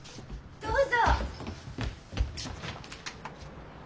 どうぞ。